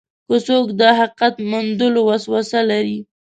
که څوک د حقیقت موندلو وسوسه لري.